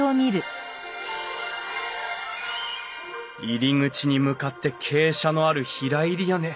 入り口に向かって傾斜のある平入り屋根。